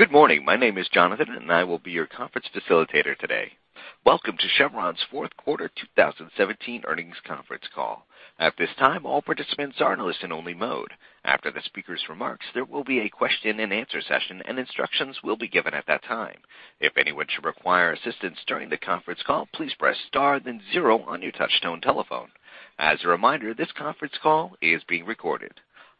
Good morning. My name is Jonathan, and I will be your conference facilitator today. Welcome to Chevron's fourth quarter 2017 earnings conference call. At this time, all participants are in listen only mode. After the speaker's remarks, there will be a question and answer session, and instructions will be given at that time. If anyone should require assistance during the conference call, please press star then zero on your touchtone telephone. As a reminder, this conference call is being recorded.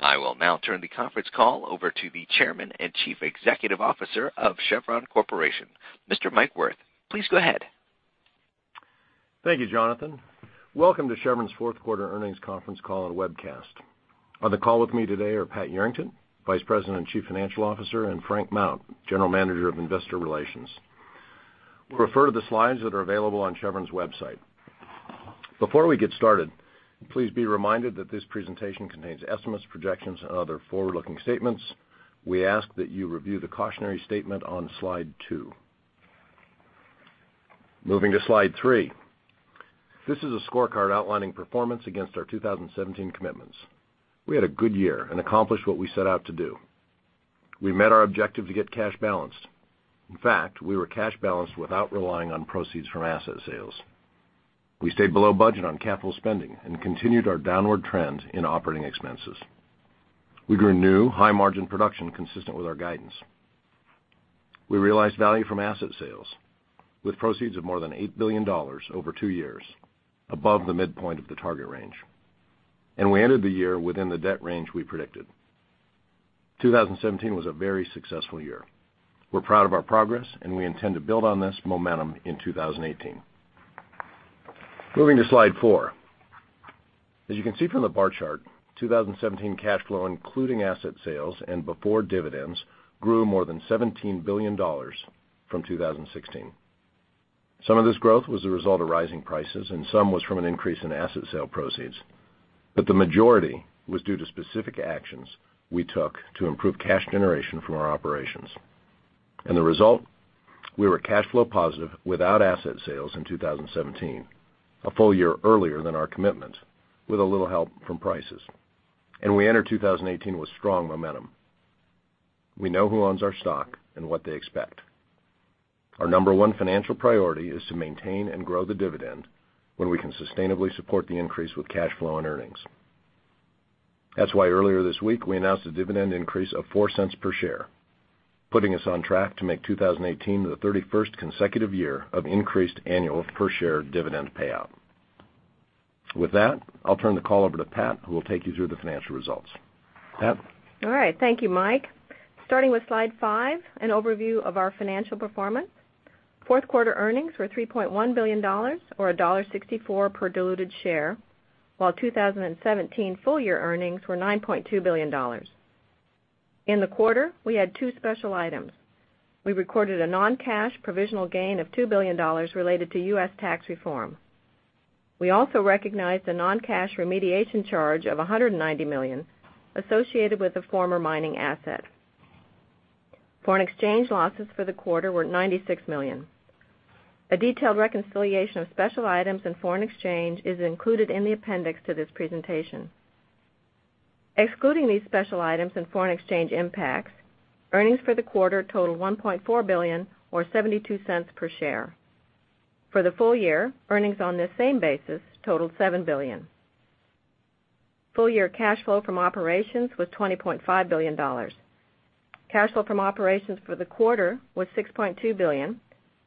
I will now turn the conference call over to the Chairman and Chief Executive Officer of Chevron Corporation, Mr. Mike Wirth. Please go ahead. Thank you, Jonathan. Welcome to Chevron's fourth quarter earnings conference call and webcast. On the call with me today are Pat Yarrington, Vice President and Chief Financial Officer, and Frank Mount, General Manager of Investor Relations. We refer to the slides that are available on Chevron's website. Before we get started, please be reminded that this presentation contains estimates, projections, and other forward-looking statements. We ask that you review the cautionary statement on slide two. Moving to slide three. This is a scorecard outlining performance against our 2017 commitments. We had a good year and accomplished what we set out to do. We met our objective to get cash balanced. In fact, we were cash balanced without relying on proceeds from asset sales. We stayed below budget on capital spending and continued our downward trend in operating expenses. We grew new high-margin production consistent with our guidance. We realized value from asset sales with proceeds of more than $8 billion over two years above the midpoint of the target range. We ended the year within the debt range we predicted. 2017 was a very successful year. We're proud of our progress, and we intend to build on this momentum in 2018. Moving to slide four. As you can see from the bar chart, 2017 cash flow including asset sales and before dividends grew more than $17 billion from 2016. Some of this growth was a result of rising prices, and some was from an increase in asset sale proceeds, but the majority was due to specific actions we took to improve cash generation from our operations. The result, we were cash flow positive without asset sales in 2017, a full year earlier than our commitment with a little help from prices. We enter 2018 with strong momentum. We know who owns our stock and what they expect. Our number one financial priority is to maintain and grow the dividend when we can sustainably support the increase with cash flow and earnings. That's why earlier this week we announced a dividend increase of $0.04 per share, putting us on track to make 2018 the 31st consecutive year of increased annual per share dividend payout. With that, I'll turn the call over to Pat, who will take you through the financial results. Pat? All right. Thank you, Mike. Starting with slide five, an overview of our financial performance. Fourth quarter earnings were $3.1 billion, or $1.64 per diluted share, while 2017 full year earnings were $9.2 billion. In the quarter, we had two special items. We recorded a non-cash provisional gain of $2 billion related to U.S. tax reform. We also recognized a non-cash remediation charge of $190 million associated with a former mining asset. Foreign exchange losses for the quarter were $96 million. A detailed reconciliation of special items and foreign exchange is included in the appendix to this presentation. Excluding these special items and foreign exchange impacts, earnings for the quarter totaled $1.4 billion or $0.72 per share. For the full year, earnings on this same basis totaled $7 billion. Full year cash flow from operations was $20.5 billion. Cash flow from operations for the quarter was $6.2 billion,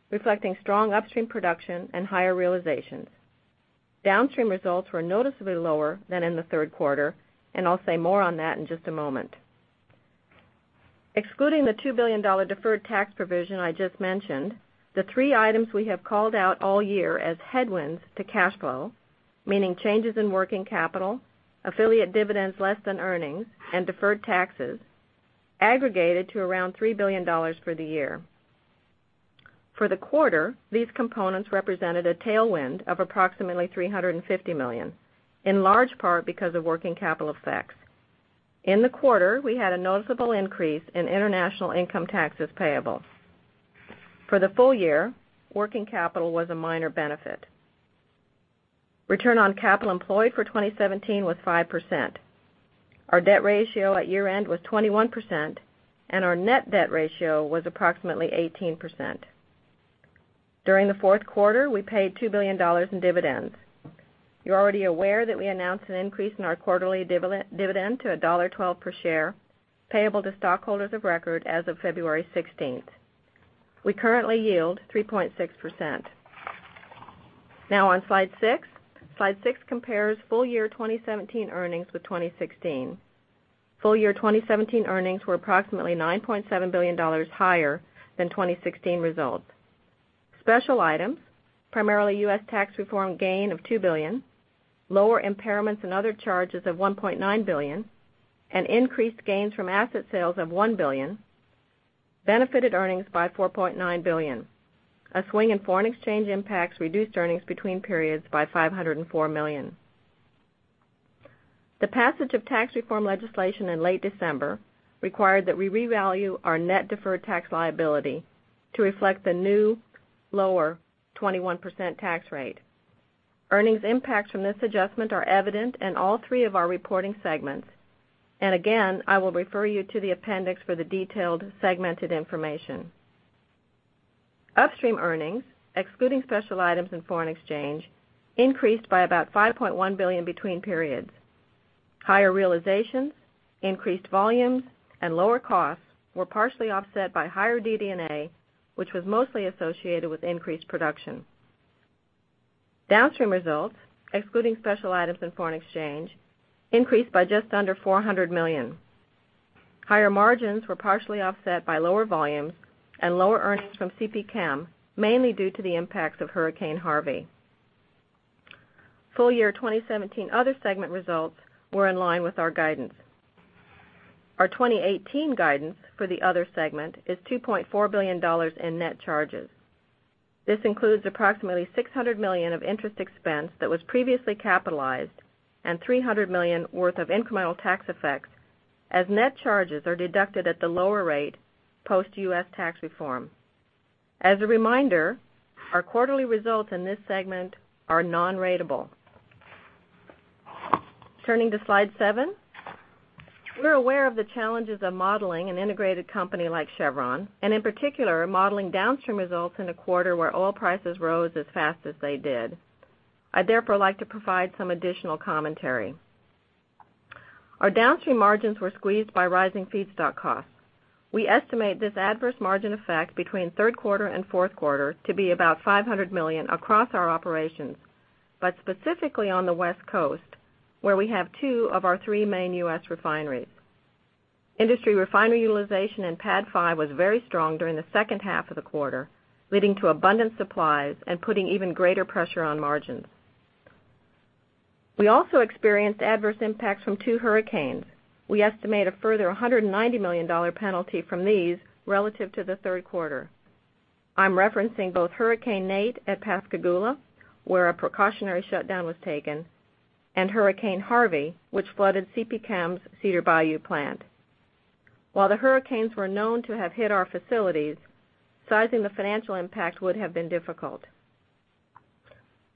reflecting strong upstream production and higher realizations. Downstream results were noticeably lower than in the third quarter, I'll say more on that in just a moment. Excluding the $2 billion deferred tax provision I just mentioned, the three items we have called out all year as headwinds to cash flow, meaning changes in working capital, affiliate dividends less than earnings, and deferred taxes aggregated to around $3 billion for the year. For the quarter, these components represented a tailwind of approximately $350 million, in large part because of working capital effects. In the quarter, we had a noticeable increase in international income taxes payable. For the full year, working capital was a minor benefit. Return on capital employed for 2017 was 5%. Our debt ratio at year-end was 21%, and our net debt ratio was approximately 18%. During the fourth quarter, we paid $2 billion in dividends. You're already aware that we announced an increase in our quarterly dividend to $1.12 per share, payable to stockholders of record as of February 16th. We currently yield 3.6%. Now on slide six. Slide six compares full year 2017 earnings with 2016. Full year 2017 earnings were approximately $9.7 billion higher than 2016 results. Special items, primarily U.S. tax reform gain of $2 billion, lower impairments and other charges of $1.9 billion, and increased gains from asset sales of $1 billion benefited earnings by $4.9 billion. A swing in foreign exchange impacts reduced earnings between periods by $504 million. The passage of tax reform legislation in late December required that we revalue our net deferred tax liability to reflect the new lower 21% tax rate. Earnings impacts from this adjustment are evident in all three of our reporting segments. Again, I will refer you to the appendix for the detailed segmented information. Upstream earnings, excluding special items and foreign exchange, increased by about $5.1 billion between periods. Higher realizations, increased volumes, and lower costs were partially offset by higher DD&A, which was mostly associated with increased production. Downstream results, excluding special items and foreign exchange, increased by just under $400 million. Higher margins were partially offset by lower volumes and lower earnings from CPChem, mainly due to the impacts of Hurricane Harvey. Full year 2017 other segment results were in line with our guidance. Our 2018 guidance for the other segment is $2.4 billion in net charges. This includes approximately $600 million of interest expense that was previously capitalized and $300 million worth of incremental tax effects as net charges are deducted at the lower rate post-U.S. tax reform. As a reminder, our quarterly results in this segment are non-ratable. Turning to slide seven. We're aware of the challenges of modeling an integrated company like Chevron, and in particular, modeling downstream results in a quarter where oil prices rose as fast as they did. I'd therefore like to provide some additional commentary. Our downstream margins were squeezed by rising feedstock costs. We estimate this adverse margin effect between third quarter and fourth quarter to be about $500 million across our operations, but specifically on the West Coast, where we have two of our three main U.S. refineries. Industry refinery utilization in PADD5 was very strong during the second half of the quarter, leading to abundant supplies and putting even greater pressure on margins. We also experienced adverse impacts from two hurricanes. We estimate a further $190 million penalty from these relative to the third quarter. I'm referencing both Hurricane Nate at Pascagoula, where a precautionary shutdown was taken, and Hurricane Harvey, which flooded CPChem's Cedar Bayou plant. While the hurricanes were known to have hit our facilities, sizing the financial impact would have been difficult.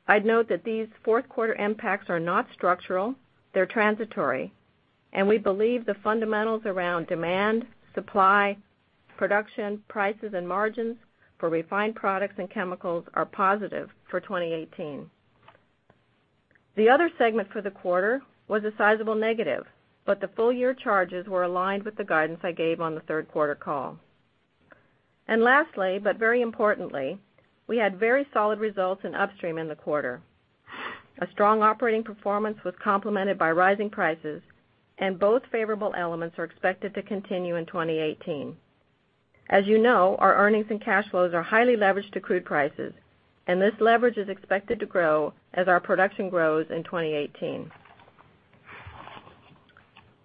I'd note that these fourth quarter impacts are not structural, they're transitory, and we believe the fundamentals around demand, supply, production, prices, and margins for refined products and chemicals are positive for 2018. The other segment for the quarter was a sizable negative, but the full-year charges were aligned with the guidance I gave on the third quarter call. Lastly, but very importantly, we had very solid results in upstream in the quarter. A strong operating performance was complemented by rising prices, and both favorable elements are expected to continue in 2018. As you know, our earnings and cash flows are highly leveraged to crude prices, and this leverage is expected to grow as our production grows in 2018.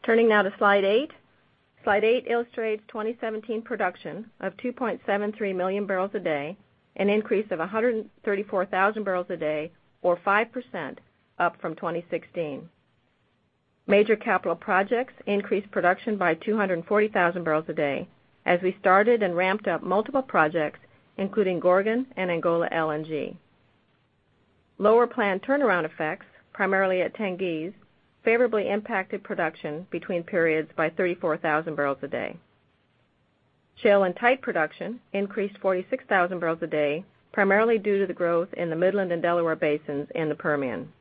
Turning now to slide eight. Slide eight illustrates 2017 production of 2.73 million barrels a day, an increase of 134,000 barrels a day, or 5% up from 2016. Major capital projects increased production by 240,000 barrels a day as we started and ramped up multiple projects, including Gorgon and Angola LNG. Lower plant turnaround effects, primarily at Tengiz, favorably impacted production between periods by 34,000 barrels a day. Shale and tight production increased 46,000 barrels a day, primarily due to the growth in the Midland and Delaware basins and the Permian.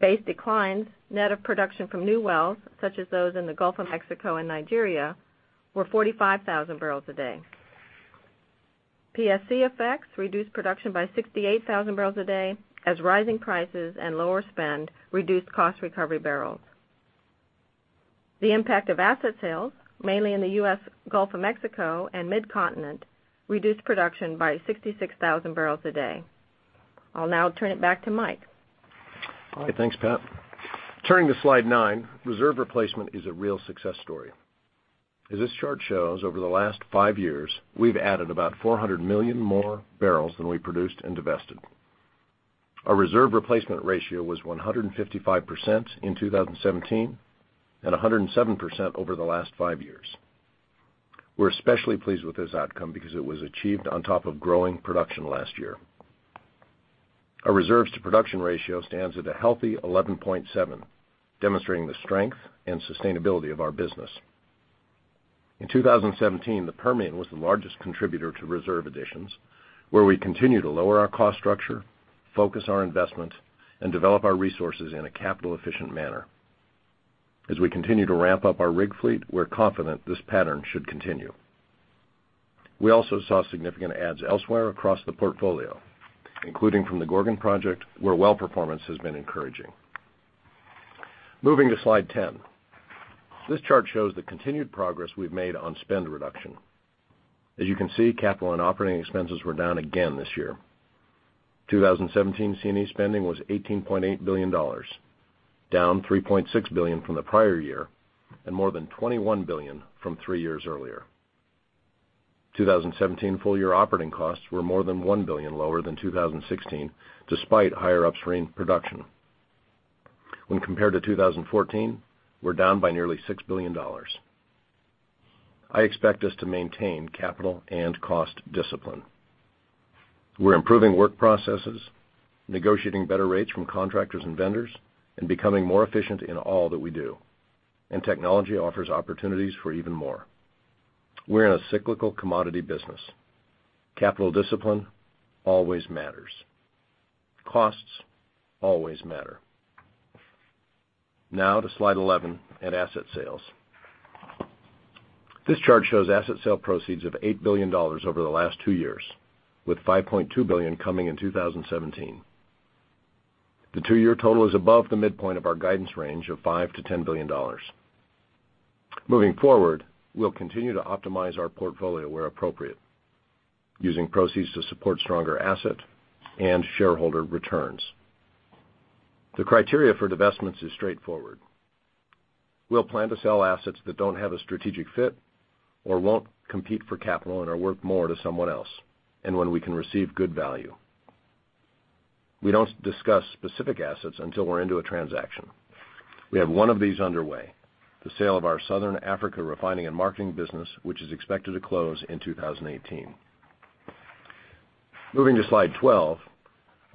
Base declines, net of production from new wells such as those in the Gulf of Mexico and Nigeria, were 45,000 barrels a day. PSC effects reduced production by 68,000 barrels a day as rising prices and lower spend reduced cost recovery barrels. The impact of asset sales, mainly in the U.S. Gulf of Mexico and Mid-Continent, reduced production by 66,000 barrels a day. I'll now turn it back to Mike. Okay, thanks, Pat. Turning to slide nine, reserve replacement is a real success story. As this chart shows, over the last five years, we've added about 400 million more barrels than we produced and divested. Our reserve replacement ratio was 155% in 2017 and 107% over the last five years. We're especially pleased with this outcome because it was achieved on top of growing production last year. Our reserves to production ratio stands at a healthy 11.7, demonstrating the strength and sustainability of our business. In 2017, the Permian was the largest contributor to reserve additions, where we continue to lower our cost structure, focus our investment, and develop our resources in a capital-efficient manner. As we continue to ramp up our rig fleet, we're confident this pattern should continue. We also saw significant adds elsewhere across the portfolio, including from the Gorgon project, where well performance has been encouraging. Moving to slide 10. This chart shows the continued progress we've made on spend reduction. As you can see, capital and operating expenses were down again this year. 2017 C&E spending was $18.8 billion, down $3.6 billion from the prior year and more than $21 billion from three years earlier. 2017 full-year operating costs were more than $1 billion lower than 2016, despite higher upstream production. When compared to 2014, we're down by nearly $6 billion. I expect us to maintain capital and cost discipline. We're improving work processes, negotiating better rates from contractors and vendors, and becoming more efficient in all that we do. Technology offers opportunities for even more. We're in a cyclical commodity business. Capital discipline always matters. Costs always matter. Now to slide 11 at asset sales. This chart shows asset sale proceeds of $8 billion over the last two years, with $5.2 billion coming in 2017. The two-year total is above the midpoint of our guidance range of $5 billion-$10 billion. Moving forward, we'll continue to optimize our portfolio where appropriate, using proceeds to support stronger asset and shareholder returns. The criteria for divestments is straightforward. We'll plan to sell assets that don't have a strategic fit or won't compete for capital and are worth more to someone else, and when we can receive good value. We don't discuss specific assets until we're into a transaction. We have one of these underway, the sale of our Southern Africa refining and marketing business, which is expected to close in 2018. Moving to slide 12.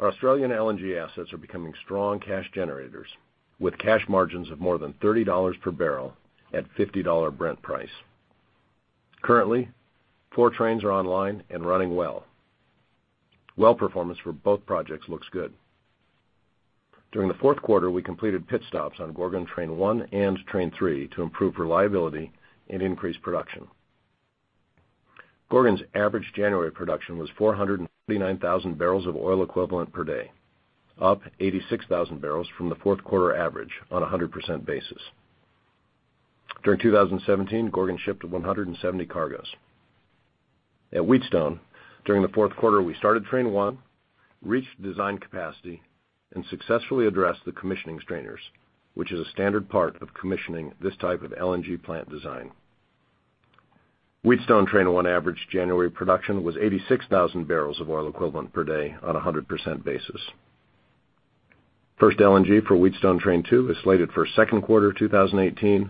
Our Australian LNG assets are becoming strong cash generators, with cash margins of more than $30 per barrel at $50 Brent price. Currently, four trains are online and running well. Well performance for both projects looks good. During the fourth quarter, we completed pit stops on Gorgon train 1 and train 3 to improve reliability and increase production. Gorgon's average January production was 439,000 barrels of oil equivalent per day, up 86,000 barrels from the fourth quarter average on 100% basis. During 2017, Gorgon shipped 170 cargoes. At Wheatstone, during the fourth quarter, we started train 1, reached design capacity, and successfully addressed the commissioning strainers, which is a standard part of commissioning this type of LNG plant design. Wheatstone train 1 average January production was 86,000 barrels of oil equivalent per day on 100% basis. First LNG for Wheatstone train 2 is slated for second quarter 2018,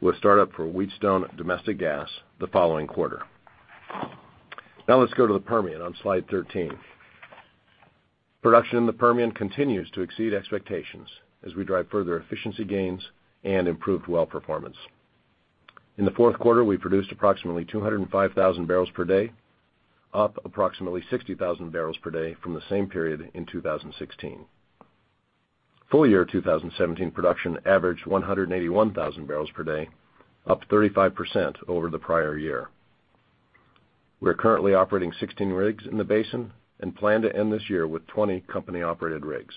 with startup for Wheatstone domestic gas the following quarter. Now let's go to the Permian on slide 13. Production in the Permian continues to exceed expectations as we drive further efficiency gains and improved well performance. In the fourth quarter, we produced approximately 205,000 barrels per day, up approximately 60,000 barrels per day from the same period in 2016. Full year 2017 production averaged 181,000 barrels per day, up 35% over the prior year. We're currently operating 16 rigs in the basin and plan to end this year with 20 company-operated rigs.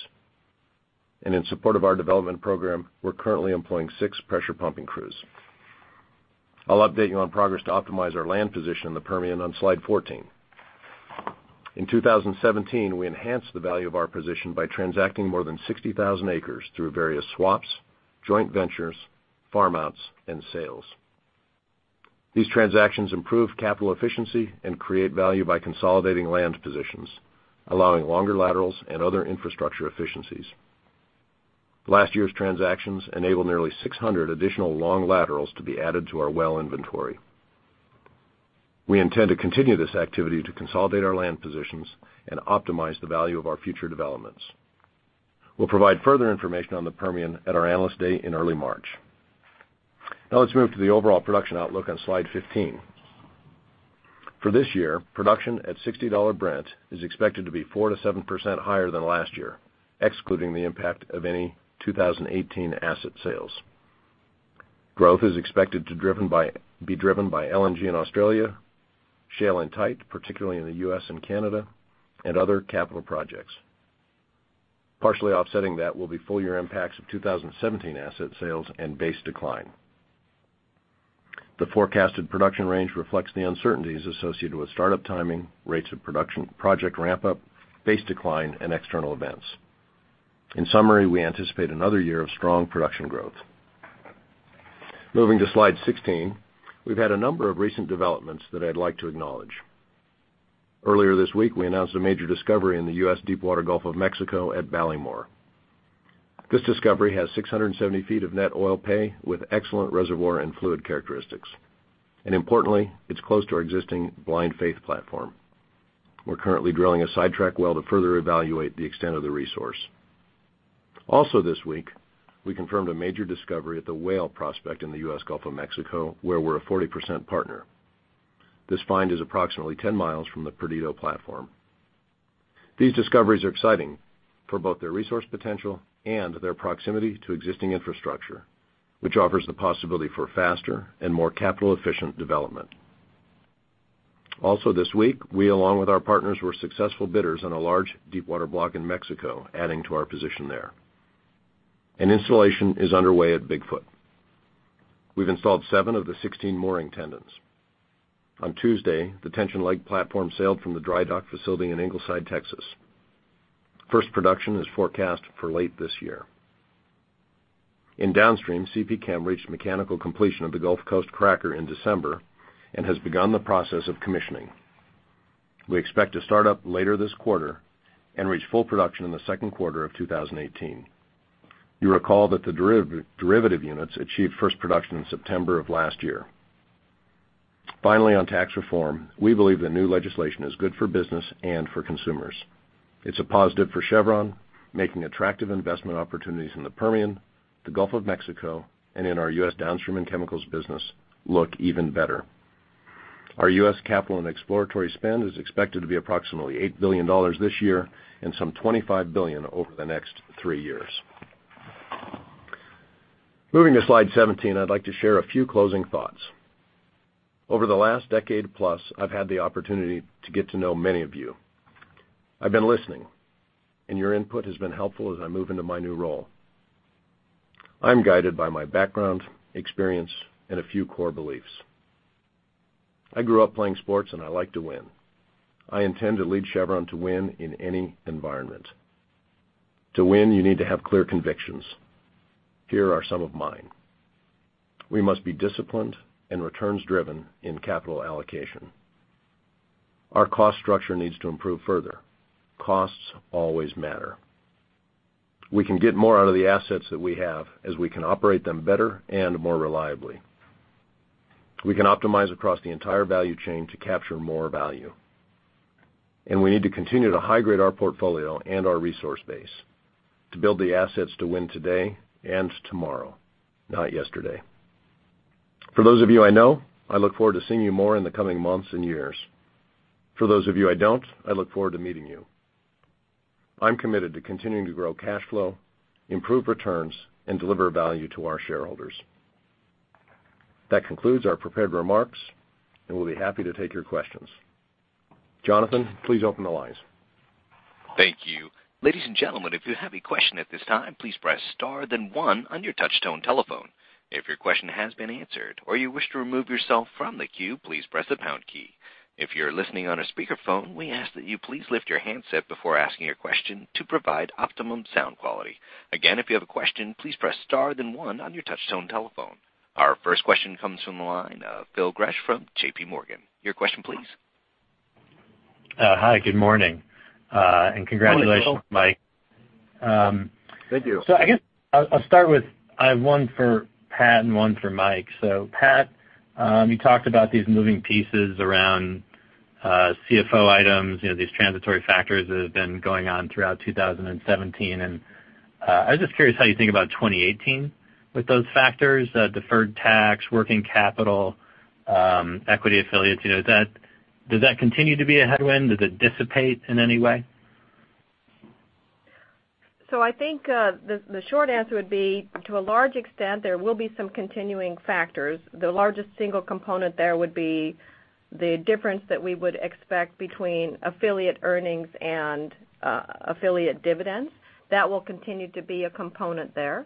In support of our development program, we're currently employing six pressure pumping crews. I'll update you on progress to optimize our land position in the Permian on slide 14. In 2017, we enhanced the value of our position by transacting more than 60,000 acres through various swaps, joint ventures, farm outs, and sales. These transactions improve capital efficiency and create value by consolidating land positions, allowing longer laterals and other infrastructure efficiencies. Last year's transactions enabled nearly 600 additional long laterals to be added to our well inventory. We intend to continue this activity to consolidate our land positions and optimize the value of our future developments. We'll provide further information on the Permian at our Analyst Day in early March. Now let's move to the overall production outlook on slide 15. For this year, production at $60 Brent is expected to be 4%-7% higher than last year, excluding the impact of any 2018 asset sales. Growth is expected to be driven by LNG in Australia, shale and tight, particularly in the U.S. and Canada, and other capital projects. Partially offsetting that will be full-year impacts of 2017 asset sales and base decline. The forecasted production range reflects the uncertainties associated with startup timing, rates of production, project ramp-up, base decline, and external events. In summary, we anticipate another year of strong production growth. Moving to slide 16. We've had a number of recent developments that I'd like to acknowledge. Earlier this week, we announced a major discovery in the U.S. deepwater Gulf of Mexico at Ballymore. This discovery has 670 feet of net oil pay with excellent reservoir and fluid characteristics. Importantly, it's close to our existing Blind Faith platform. We're currently drilling a sidetrack well to further evaluate the extent of the resource. Also this week, we confirmed a major discovery at the Whale prospect in the U.S. Gulf of Mexico, where we're a 40% partner. This find is approximately 10 miles from the Perdido platform. These discoveries are exciting for both their resource potential and their proximity to existing infrastructure, which offers the possibility for faster and more capital-efficient development. Also this week, we along with our partners, were successful bidders on a large deepwater block in Mexico, adding to our position there. Installation is underway at Bigfoot. We've installed seven of the 16 mooring tendons. On Tuesday, the tension leg platform sailed from the dry dock facility in Ingleside, Texas. First production is forecast for late this year. In Downstream, CPChem reached mechanical completion of the Gulf Coast cracker in December and has begun the process of commissioning. We expect to start up later this quarter and reach full production in the second quarter of 2018. You recall that the derivative units achieved first production in September of last year. Finally, on tax reform, we believe the new legislation is good for business and for consumers. It's a positive for Chevron, making attractive investment opportunities in the Permian, the Gulf of Mexico, and in our U.S. downstream and chemicals business look even better. Our U.S. capital and exploratory spend is expected to be approximately $8 billion this year and some $25 billion over the next three years. Moving to slide 17, I'd like to share a few closing thoughts. Over the last decade plus, I've had the opportunity to get to know many of you. Your input has been helpful as I move into my new role. I'm guided by my background, experience, and a few core beliefs. I grew up playing sports, I like to win. I intend to lead Chevron to win in any environment. To win, you need to have clear convictions. Here are some of mine. We must be disciplined and returns-driven in capital allocation. Our cost structure needs to improve further. Costs always matter. We can get more out of the assets that we have, as we can operate them better and more reliably. We can optimize across the entire value chain to capture more value. We need to continue to high-grade our portfolio and our resource base to build the assets to win today and tomorrow, not yesterday. For those of you I know, I look forward to seeing you more in the coming months and years. For those of you I don't, I look forward to meeting you. I'm committed to continuing to grow cash flow, improve returns, and deliver value to our shareholders. That concludes our prepared remarks, We'll be happy to take your questions. Jonathan, please open the lines. Thank you. Ladies and gentlemen, if you have a question at this time, please press star then one on your touch tone telephone. If your question has been answered or you wish to remove yourself from the queue, please press the pound key. If you're listening on a speakerphone, we ask that you please lift your handset before asking your question to provide optimum sound quality. Again, if you have a question, please press star then one on your touch tone telephone. Our first question comes from the line of Phil Gresh from JP Morgan. Your question please. Hi, good morning. Good morning, Phil. Congratulations, Mike. Thank you. I guess I'll start with, I have one for Pat and one for Mike. Pat, you talked about these moving pieces around CFO items, these transitory factors that have been going on throughout 2017. I was just curious how you think about 2018 with those factors, deferred tax, working capital, equity affiliates. Does that continue to be a headwind? Does it dissipate in any way? I think the short answer would be, to a large extent, there will be some continuing factors. The largest single component there would be the difference that we would expect between affiliate earnings and affiliate dividends. That will continue to be a component there.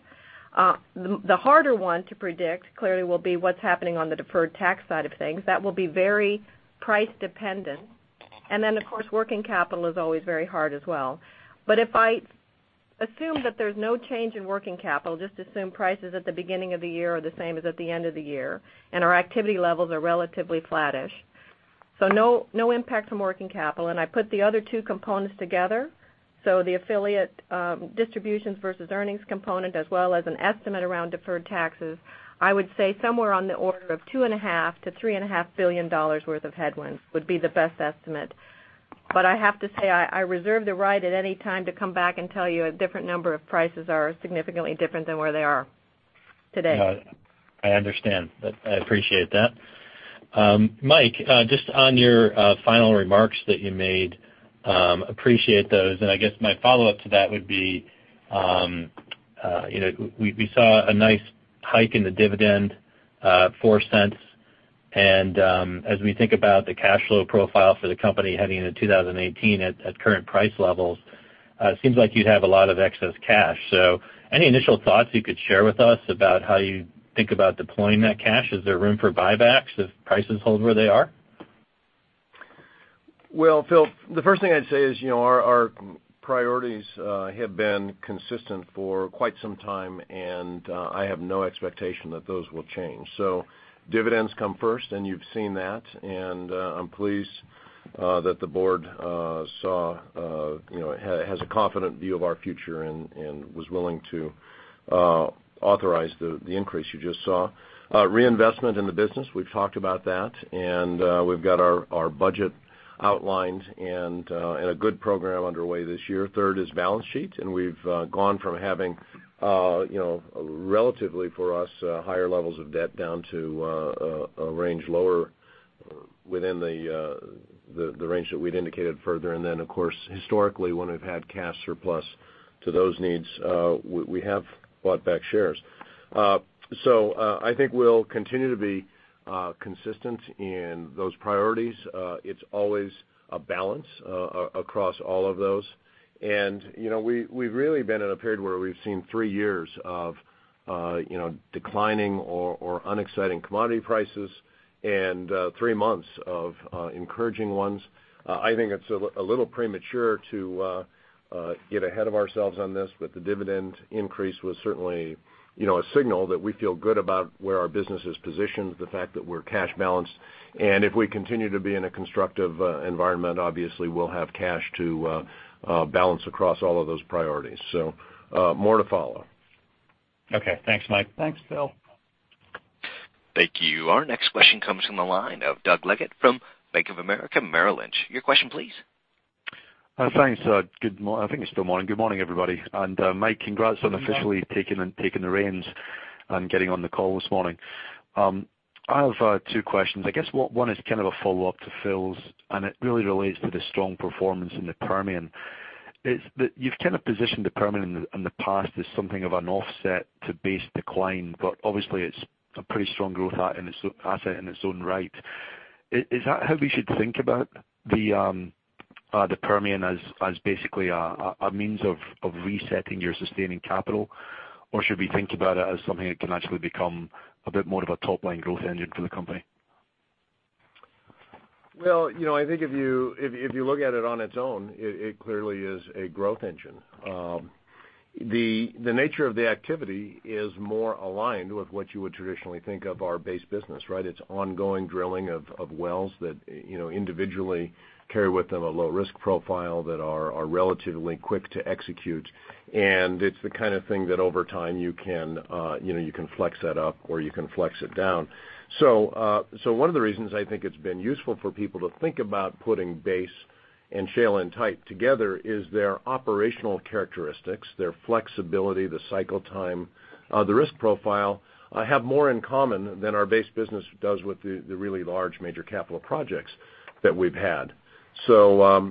The harder one to predict clearly will be what's happening on the deferred tax side of things. That will be very price dependent. Then, of course, working capital is always very hard as well. If I assume that there's no change in working capital, just assume prices at the beginning of the year are the same as at the end of the year, and our activity levels are relatively flattish. No impact from working capital. I put the other two components together, so the affiliate distributions versus earnings component as well as an estimate around deferred taxes. I would say somewhere on the order of $2.5 billion-$3.5 billion worth of headwinds would be the best estimate. I have to say I reserve the right at any time to come back and tell you a different number if prices are significantly different than where they are today. I understand. I appreciate that. Mike, just on your final remarks that you made, appreciate those. I guess my follow-up to that would be we saw a nice hike in the dividend, $0.04. As we think about the cash flow profile for the company heading into 2018 at current price levels, it seems like you'd have a lot of excess cash. Any initial thoughts you could share with us about how you think about deploying that cash? Is there room for buybacks if prices hold where they are? Well, Phil, the first thing I'd say is our priorities have been consistent for quite some time, and I have no expectation that those will change. Dividends come first, and you've seen that, and I'm pleased that the board has a confident view of our future and was willing to authorize the increase you just saw. Reinvestment in the business, we've talked about that, and we've got our budget outlined and a good program underway this year. Third is balance sheet, and we've gone from having relatively for us higher levels of debt down to a range lower within the range that we'd indicated further. Then, of course, historically, when we've had cash surplus to those needs we have bought back shares. I think we'll continue to be consistent in those priorities. It's always a balance across all of those. We've really been in a period where we've seen three years of declining or unexciting commodity prices and three months of encouraging ones. I think it's a little premature to get ahead of ourselves on this, the dividend increase was certainly a signal that we feel good about where our business is positioned, the fact that we're cash balanced. If we continue to be in a constructive environment, obviously we'll have cash to balance across all of those priorities. More to follow. Okay. Thanks, Mike. Thanks, Phil. Thank you. Our next question comes from the line of Doug Leggate from Bank of America Merrill Lynch. Your question, please. Thanks. I think it's still morning. Good morning, everybody. Mike, congrats on officially taking the reins and getting on the call this morning. I have two questions. I guess, one is kind of a follow-up to Phil's, and it really relates to the strong performance in the Permian. You've kind of positioned the Permian in the past as something of an offset to base decline, but obviously it's a pretty strong growth asset in its own right. Is that how we should think about the Permian as basically a means of resetting your sustaining capital? Or should we think about it as something that can actually become a bit more of a top-line growth engine for the company? Well, I think if you look at it on its own, it clearly is a growth engine. The nature of the activity is more aligned with what you would traditionally think of our base business, right? It's ongoing drilling of wells that individually carry with them a low-risk profile that are relatively quick to execute. It's the kind of thing that over time you can flex that up or you can flex it down. One of the reasons I think it's been useful for people to think about putting base and shale and tight together is their operational characteristics, their flexibility, the cycle time, the risk profile, have more in common than our base business does with the really large major capital projects that we've had. I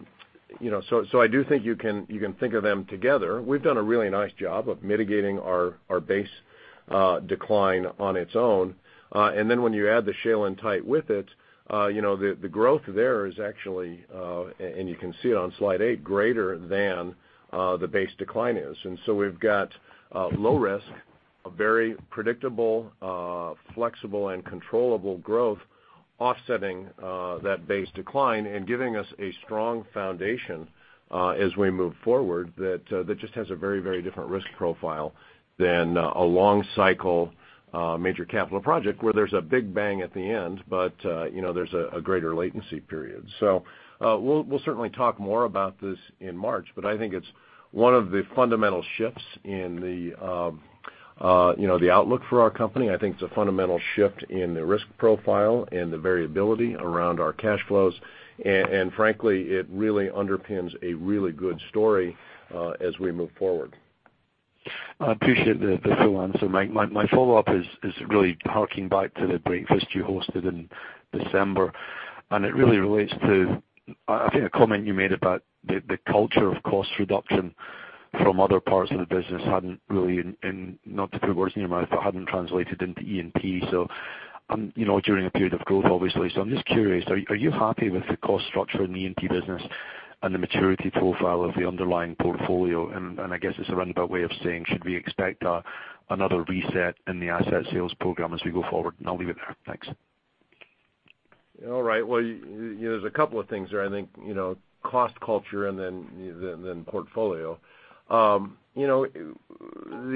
do think you can think of them together. We've done a really nice job of mitigating our base decline on its own. When you add the shale and tight with it, the growth there is actually, and you can see it on slide eight, greater than the base decline is. We've got low risk, a very predictable, flexible, and controllable growth offsetting that base decline and giving us a strong foundation as we move forward that just has a very different risk profile than a long cycle major capital project where there's a big bang at the end, there's a greater latency period. We'll certainly talk more about this in March, I think it's one of the fundamental shifts in the outlook for our company. I think it's a fundamental shift in the risk profile and the variability around our cash flows. Frankly, it really underpins a really good story as we move forward. I appreciate the full answer, Mike. My follow-up is really harking back to the breakfast you hosted in December, and it really relates to, I think, a comment you made about the culture of cost reduction from other parts of the business hadn't really, and not to put words in your mouth, but hadn't translated into E&P, during a period of growth, obviously. Are you happy with the cost structure in the E&P business and the maturity profile of the underlying portfolio? I guess it's a roundabout way of saying, should we expect another reset in the asset sales program as we go forward? I'll leave it there. Thanks. All right. Well, there's a couple of things there. I think cost culture and then portfolio. The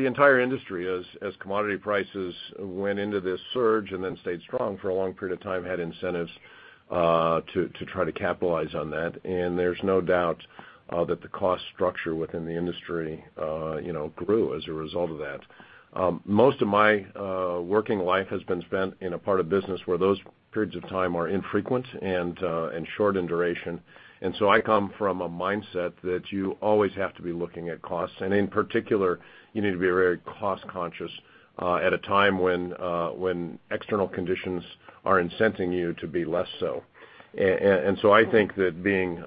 entire industry, as commodity prices went into this surge and then stayed strong for a long period of time, had incentives to try to capitalize on that, and there's no doubt that the cost structure within the industry grew as a result of that. Most of my working life has been spent in a part of business where those periods of time are infrequent and short in duration. I come from a mindset that you always have to be looking at costs. In particular, you need to be very cost-conscious at a time when external conditions are incenting you to be less so. I think that being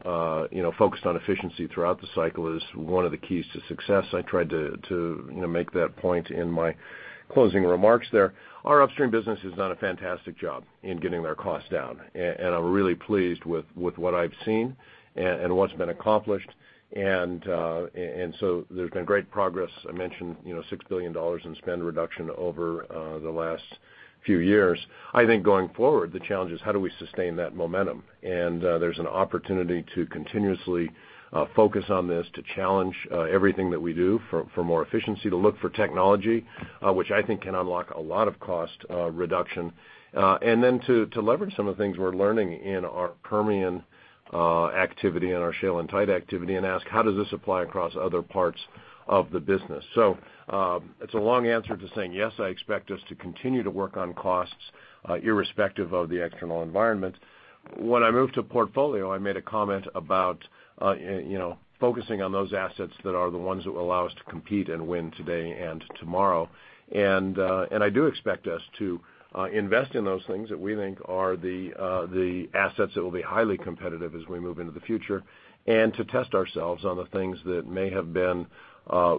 focused on efficiency throughout the cycle is one of the keys to success. I tried to make that point in my closing remarks there. Our upstream business has done a fantastic job in getting their costs down, and I'm really pleased with what I've seen and what's been accomplished. There's been great progress. I mentioned $6 billion in spend reduction over the last few years. I think going forward, the challenge is how do we sustain that momentum? There's an opportunity to continuously focus on this, to challenge everything that we do for more efficiency, to look for technology which I think can unlock a lot of cost reduction. Then to leverage some of the things we're learning in our Permian activity and our shale and tight activity and ask how does this apply across other parts of the business? It's a long answer to saying yes, I expect us to continue to work on costs irrespective of the external environment. When I moved to portfolio, I made a comment about focusing on those assets that are the ones that will allow us to compete and win today and tomorrow. I do expect us to invest in those things that we think are the assets that will be highly competitive as we move into the future and to test ourselves on the things that may have been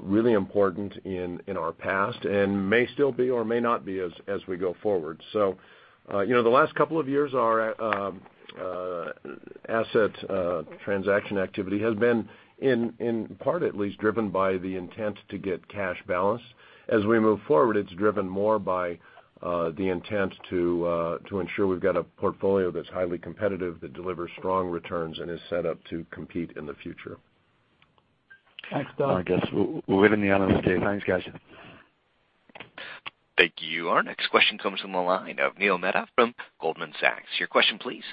really important in our past and may still be or may not be as we go forward. The last couple of years, our asset transaction activity has been, in part at least, driven by the intent to get cash balance. As we move forward, it's driven more by the intent to ensure we've got a portfolio that's highly competitive, that delivers strong returns and is set up to compete in the future. Thanks, Doug. I guess we'll leave it there. Thanks, guys. Thank you. Our next question comes from the line of Neil Mehta from Goldman Sachs. Your question, please.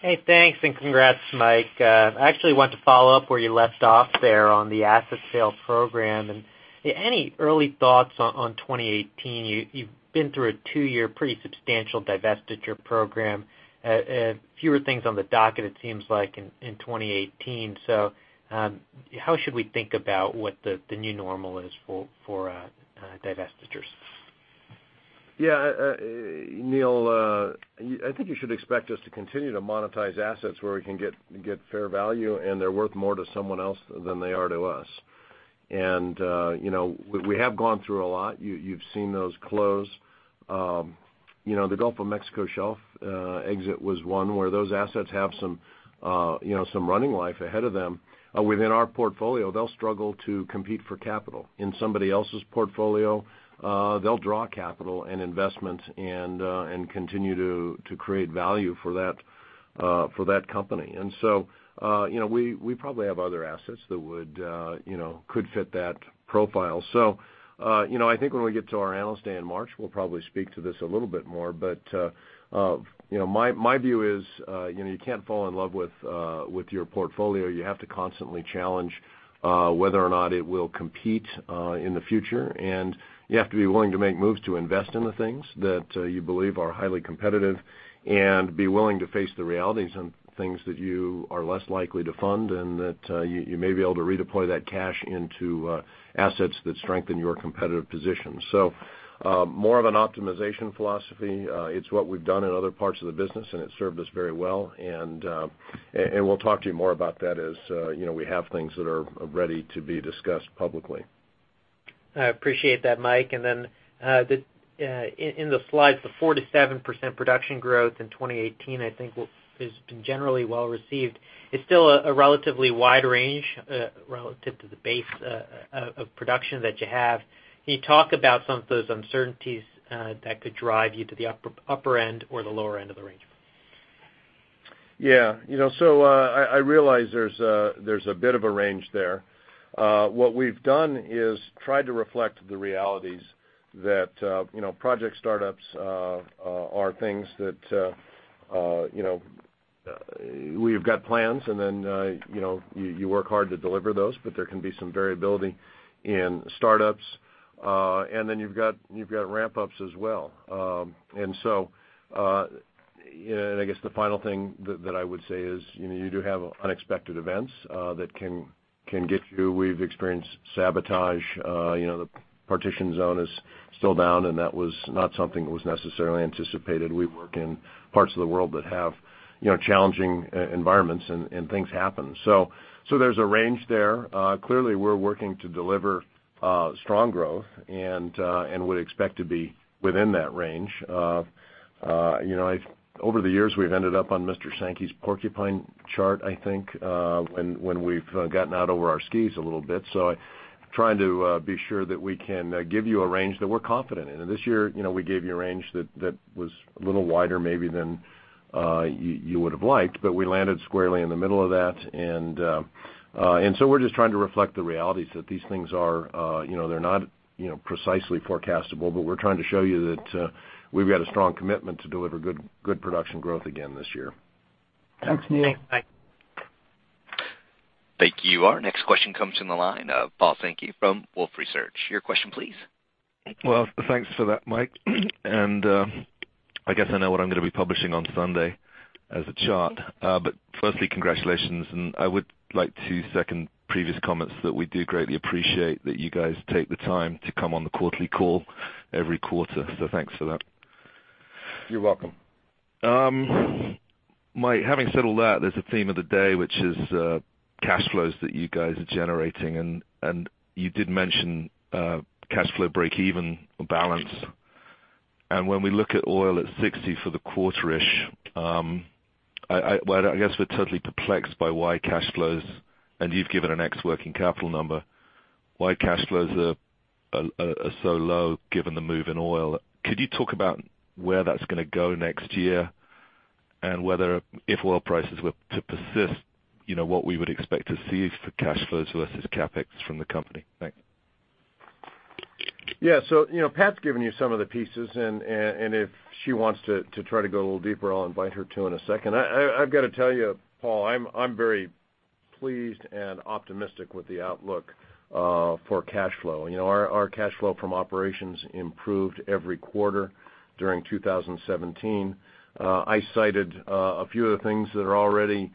Hey, thanks and congrats, Mike. I actually want to follow up where you left off there on the asset sales program, and any early thoughts on 2018? You've been through a two-year pretty substantial divestiture program, fewer things on the docket it seems like in 2018. How should we think about what the new normal is for divestitures? Yeah. Neil, I think you should expect us to continue to monetize assets where we can get fair value and they're worth more to someone else than they are to us. We have gone through a lot. You've seen those close. The Gulf of Mexico shelf exit was one where those assets have some running life ahead of them. Within our portfolio, they'll struggle to compete for capital. In somebody else's portfolio, they'll draw capital and investment and continue to create value for that company. We probably have other assets that could fit that profile. I think when we get to our Analyst Day in March, we'll probably speak to this a little bit more, but my view is you can't fall in love with your portfolio. You have to constantly challenge whether or not it will compete in the future. You have to be willing to make moves to invest in the things that you believe are highly competitive and be willing to face the realities on things that you are less likely to fund and that you may be able to redeploy that cash into assets that strengthen your competitive position. More of an optimization philosophy. It's what we've done in other parts of the business, and it served us very well. We'll talk to you more about that as we have things that are ready to be discussed publicly. I appreciate that, Mike. In the slides, the 4%-7% production growth in 2018, I think has been generally well-received. It's still a relatively wide range relative to the base of production that you have. Can you talk about some of those uncertainties that could drive you to the upper end or the lower end of the range? Yeah. I realize there's a bit of a range there. What we've done is tried to reflect the realities that project startups are things that we've got plans, you work hard to deliver those, but there can be some variability in startups. You've got ramp-ups as well. I guess the final thing that I would say is you do have unexpected events that can get you. We've experienced sabotage. The Partitioned Zone is still down, and that was not something that was necessarily anticipated. We work in parts of the world that have challenging environments, and things happen. There's a range there. Clearly, we're working to deliver strong growth and would expect to be within that range. Over the years, we've ended up on Mr. Sankey's porcupine chart, I think, when we've gotten out over our skis a little bit. Trying to be sure that we can give you a range that we're confident in. This year, we gave you a range that was a little wider maybe than you would've liked, but we landed squarely in the middle of that. We're just trying to reflect the realities that these things are not precisely forecastable, but we're trying to show you that we've got a strong commitment to deliver good production growth again this year. Thanks, Mike. Thanks, Neil. Thank you. Our next question comes from the line of Paul Sankey from Wolfe Research. Your question, please. Well, thanks for that, Mike. I guess I know what I'm going to be publishing on Sunday as a chart. Firstly, congratulations, and I would like to second previous comments that we do greatly appreciate that you guys take the time to come on the quarterly call every quarter. Thanks for that. You're welcome. Mike, having said all that, there's a theme of the day, which is cash flows that you guys are generating, and you did mention cash flow breakeven balance. When we look at oil at $60 for the quarter-ish, I guess we're totally perplexed by why cash flows, and you've given an ex-working capital number, why cash flows are so low given the move in oil. Could you talk about where that's going to go next year and whether if oil prices were to persist, what we would expect to see for cash flows versus CapEx from the company? Thanks. Yeah. Pat's given you some of the pieces, and if she wants to try to go a little deeper, I'll invite her to in a second. I've got to tell you, Paul, I'm very pleased and optimistic with the outlook for cash flow. Our cash flow from operations improved every quarter during 2017. I cited a few of the things that are already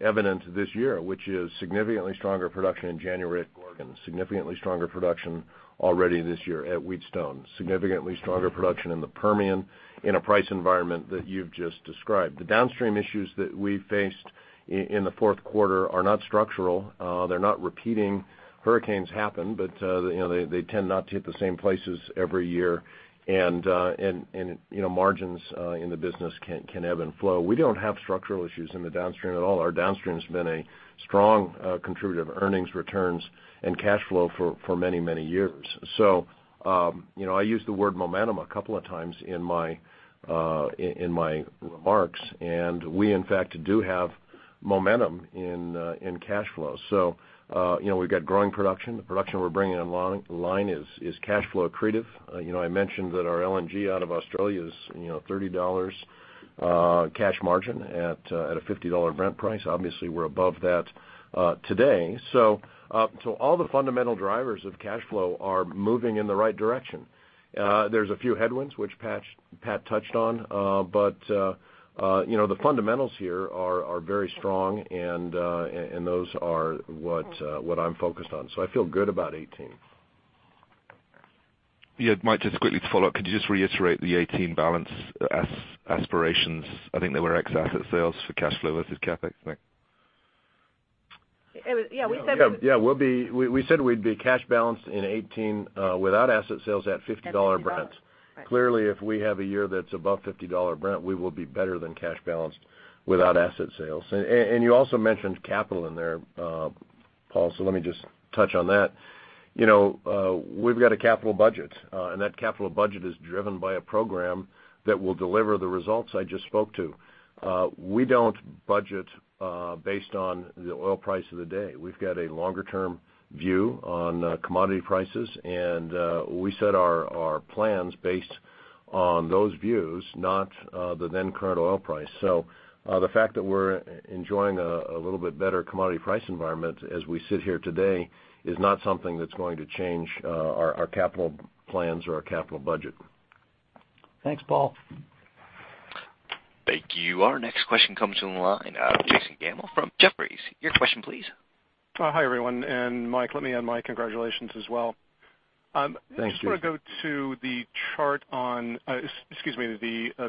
evident this year, which is significantly stronger production in January at Gorgon, significantly stronger production already this year at Wheatstone, significantly stronger production in the Permian in a price environment that you've just described. The downstream issues that we faced in the fourth quarter are not structural. They're not repeating. Hurricanes happen, but they tend not to hit the same places every year. Margins in the business can ebb and flow. We don't have structural issues in the downstream at all. Our downstream's been a strong contributor to earnings returns and cash flow for many years. I used the word momentum a couple of times in my remarks, and we in fact do have momentum in cash flow. We've got growing production. The production we're bringing online is cash flow accretive. I mentioned that our LNG out of Australia is $30 cash margin at a $50 Brent price. Obviously, we're above that today. All the fundamental drivers of cash flow are moving in the right direction. There's a few headwinds, which Pat touched on. The fundamentals here are very strong and those are what I'm focused on. I feel good about 2018. Yeah, Mike, just quickly to follow up, could you just reiterate the 2018 balance aspirations? I think they were ex-asset sales for cash flow versus CapEx, I think. Yeah, we said. Yeah, we said we'd be cash balanced in 2018 without asset sales at $50 Brent. At 50, right. Clearly, if we have a year that's above $50 Brent, we will be better than cash balanced without asset sales. You also mentioned capital in there, Paul, so let me just touch on that. We've got a capital budget, and that capital budget is driven by a program that will deliver the results I just spoke to. We don't budget based on the oil price of the day. We've got a longer-term view on commodity prices, and we set our plans based on those views, not the then current oil price. The fact that we're enjoying a little bit better commodity price environment as we sit here today is not something that's going to change our capital plans or our capital budget. Thanks, Paul. Thank you. Our next question comes on the line. Jason Gammel from Jefferies. Your question please. Hi, everyone. Mike, let me add my congratulations as well. Thank you. I just want to go to the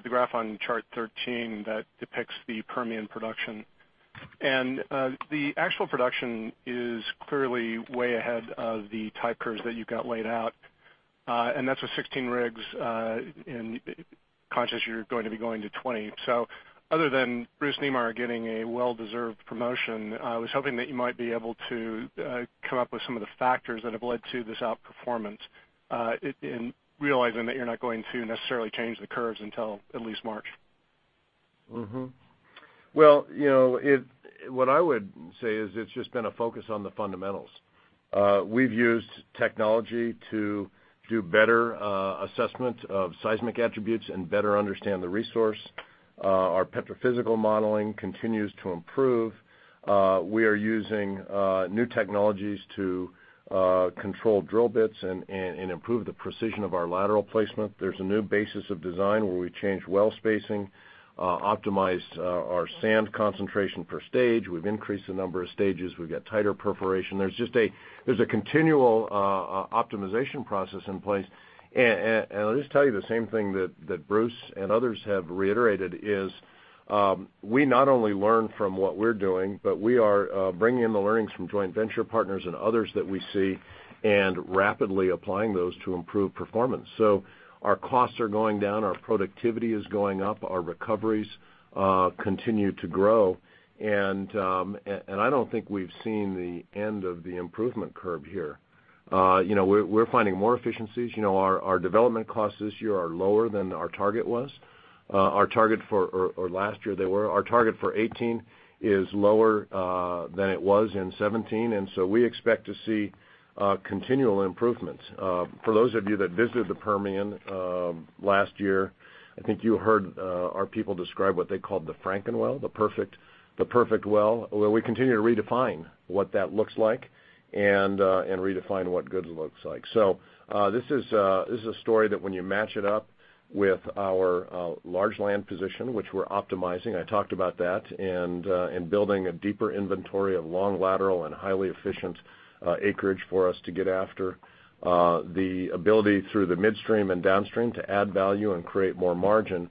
graph on Chart 13 that depicts the Permian production. The actual production is clearly way ahead of the type curves that you've got laid out. That's with 16 rigs, and conscious you're going to be going to 20. Other than Bruce Niemeyer getting a well-deserved promotion, I was hoping that you might be able to come up with some of the factors that have led to this outperformance, realizing that you're not going to necessarily change the curves until at least March. Well, what I would say is it's just been a focus on the fundamentals. We've used technology to do better assessment of seismic attributes and better understand the resource. Our petrophysical modeling continues to improve. We are using new technologies to control drill bits and improve the precision of our lateral placement. There's a new basis of design where we change well spacing, optimize our sand concentration per stage. We've increased the number of stages. We've got tighter perforation. There's a continual optimization process in place. I'll just tell you the same thing that Bruce and others have reiterated is we not only learn from what we're doing, but we are bringing in the learnings from joint venture partners and others that we see and rapidly applying those to improve performance. Our costs are going down, our productivity is going up, our recoveries continue to grow, I don't think we've seen the end of the improvement curve here. We're finding more efficiencies. Our development costs this year are lower than our target was. Last year they were. Our target for 2018 is lower than it was in 2017. We expect to see continual improvements. For those of you that visited the Permian last year, I think you heard our people describe what they called the Franken Well, the perfect well. Well, we continue to redefine what that looks like and redefine what good looks like. This is a story that when you match it up with our large land position, which we're optimizing, I talked about that, building a deeper inventory of long lateral and highly efficient acreage for us to get after. The ability through the midstream and downstream to add value and create more margin.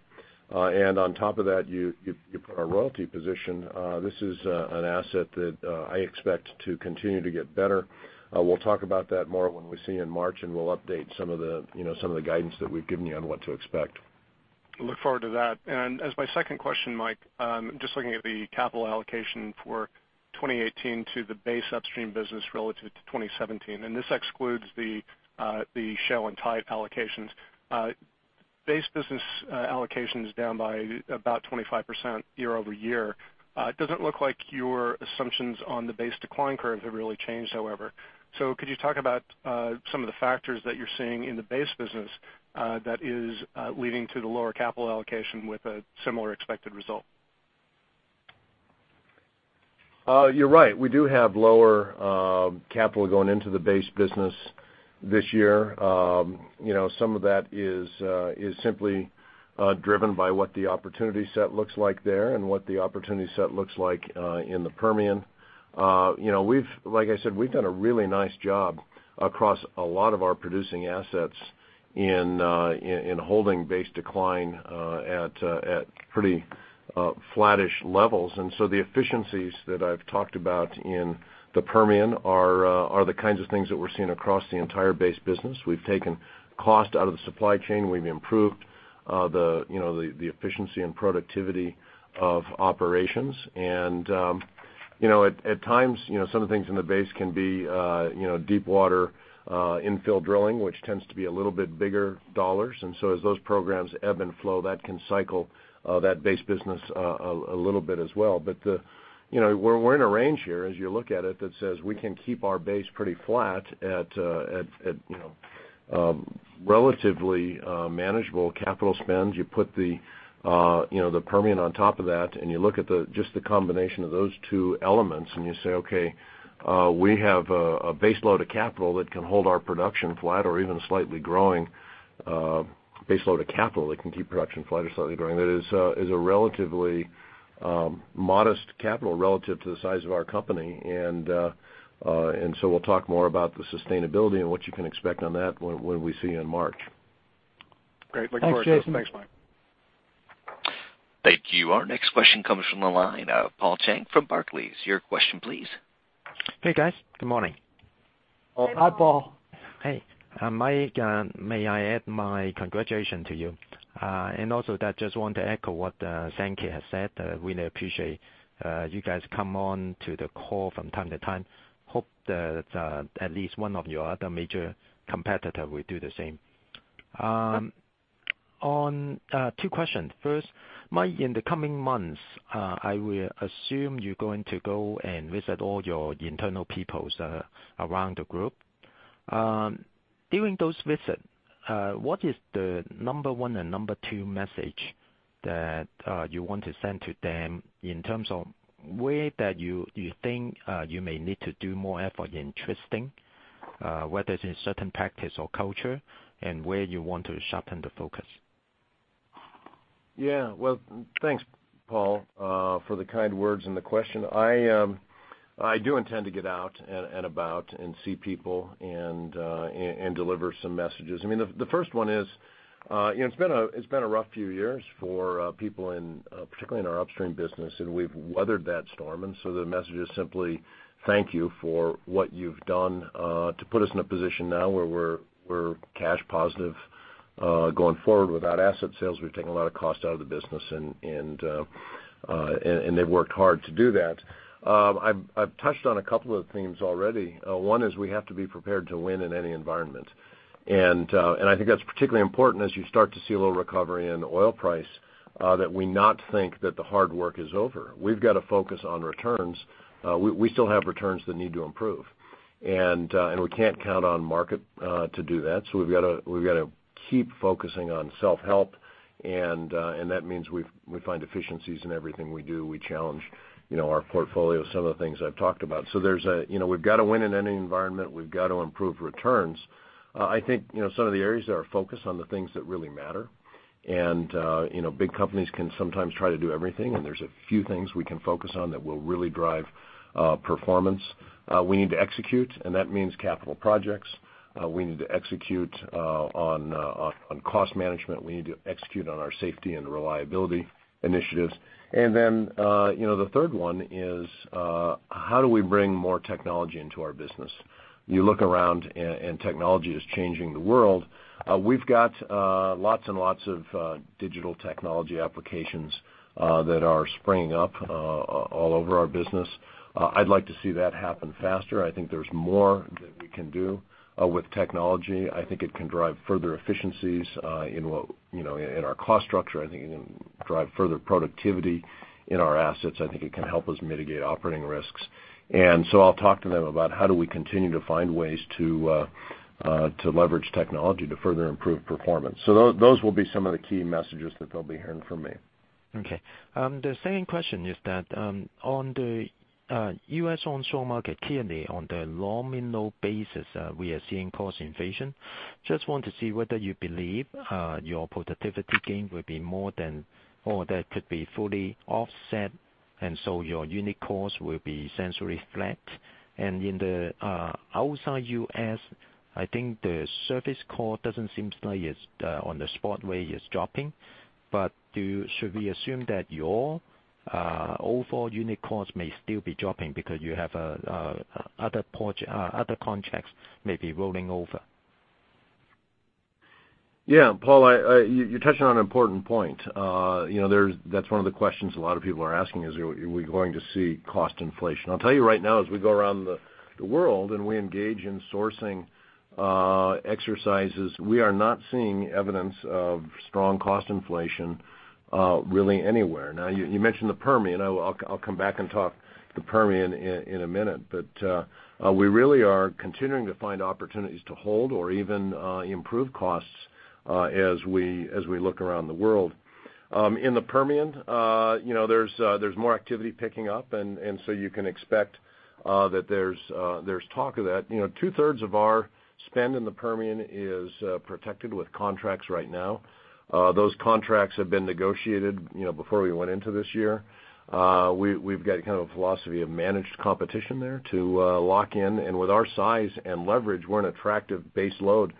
On top of that, you put our royalty position. This is an asset that I expect to continue to get better. We'll talk about that more when we see you in March, we'll update some of the guidance that we've given you on what to expect. Look forward to that. As my second question, Mike, just looking at the capital allocation for 2018 to the base upstream business relative to 2017, and this excludes the shale and tight allocations. Base business allocation is down by about 25% year-over-year. It doesn't look like your assumptions on the base decline curves have really changed, however. Could you talk about some of the factors that you're seeing in the base business that is leading to the lower capital allocation with a similar expected result? You're right. We do have lower capital going into the base business this year. Some of that is simply driven by what the opportunity set looks like there and what the opportunity set looks like in the Permian. Like I said, we've done a really nice job across a lot of our producing assets in holding base decline at pretty flattish levels. The efficiencies that I've talked about in the Permian are the kinds of things that we're seeing across the entire base business. We've taken cost out of the supply chain. We've improved the efficiency and productivity of operations. At times, some of the things in the base can be deep water infill drilling, which tends to be a little bit bigger dollars, as those programs ebb and flow, that can cycle that base business a little bit as well. We're in a range here, as you look at it, that says we can keep our base pretty flat at relatively manageable capital spends. You put the Permian on top of that, you look at just the combination of those two elements, you say, "Okay, we have a base load of capital that can hold our production flat or even slightly growing." A base load of capital that can keep production flat or slightly growing, that is a relatively modest capital relative to the size of our company. We'll talk more about the sustainability and what you can expect on that when we see you in March. Great. Looking forward to it. Thanks, Jason. Thanks, Mike. Thank you. Our next question comes from the line. Paul Cheng from Barclays. Your question, please. Hey, guys. Good morning. Well, hi, Paul. Hey. Mike, may I add my congratulations to you. Also I just want to echo what Sankey has said, really appreciate you guys come on to the call from time to time. Hope that at least one of your other major competitor will do the same. Two questions. First, Mike, in the coming months, I will assume you're going to go and visit all your internal peoples around the group. During those visits, what is the number 1 and number 2 message that you want to send to them in terms of where that you think you may need to do more effort in trusting, whether it's in certain practice or culture, and where you want to sharpen the focus? Yeah. Well, thanks, Paul, for the kind words and the question. I do intend to get out and about and see people and deliver some messages. The first one is, it's been a rough few years for people particularly in our upstream business, and we've weathered that storm. So the message is simply thank you for what you've done to put us in a position now where we're cash positive, going forward without asset sales. We've taken a lot of cost out of the business, and they've worked hard to do that. I've touched on a couple of themes already. One is we have to be prepared to win in any environment. I think that's particularly important as you start to see a little recovery in oil price, that we not think that the hard work is over. We've got to focus on returns. We still have returns that need to improve. We can't count on market to do that. We've got to keep focusing on self-help, and that means we find efficiencies in everything we do. We challenge our portfolio, some of the things I've talked about. We've got to win in any environment. We've got to improve returns. I think some of the areas that are focused on the things that really matter. Big companies can sometimes try to do everything, and there's a few things we can focus on that will really drive performance. We need to execute, and that means capital projects. We need to execute on cost management. We need to execute on our safety and reliability initiatives. Then the third one is, how do we bring more technology into our business? You look around and technology is changing the world. We've got lots and lots of digital technology applications that are springing up all over our business. I'd like to see that happen faster. I think there's more that we can do with technology. I think it can drive further efficiencies in our cost structure. I think it can drive further productivity in our assets. I think it can help us mitigate operating risks. I'll talk to them about how do we continue to find ways to leverage technology to further improve performance. Those will be some of the key messages that they'll be hearing from me. Okay. The second question is that on the U.S. onshore market, clearly on the nominal basis, we are seeing cost inflation. Just want to see whether you believe your productivity gain will be more than, or that could be fully offset, your unit cost will be essentially flat. In the outside U.S., I think the service cost doesn't seem like on the spot where it's dropping. Should we assume that your overall unit costs may still be dropping because you have other contracts maybe rolling over? Yeah. Paul, you're touching on an important point. That's one of the questions a lot of people are asking is, are we going to see cost inflation? I'll tell you right now, as we go around the world and we engage in sourcing exercises, we are not seeing evidence of strong cost inflation really anywhere. Now, you mentioned the Permian. I'll come back and talk the Permian in a minute. We really are continuing to find opportunities to hold or even improve costs as we look around the world. In the Permian, there's more activity picking up, and so you can expect that there's talk of that. Two-thirds of our spend in the Permian is protected with contracts right now. Those contracts have been negotiated before we went into this year. We've got kind of a philosophy of managed competition there to lock in. With our size and leverage, we're an attractive base load